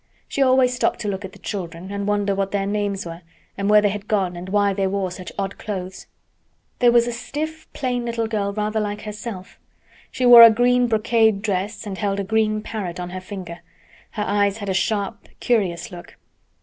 She always stopped to look at the children, and wonder what their names were, and where they had gone, and why they wore such odd clothes. There was a stiff, plain little girl rather like herself. She wore a green brocade dress and held a green parrot on her finger. Her eyes had a sharp, curious look.